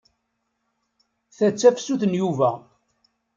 Ta d tasafut n Yuba.